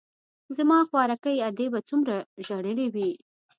زما خواركۍ ادې به څومره ژړلي وي.